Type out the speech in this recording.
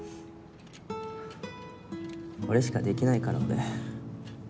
これしかできないから俺。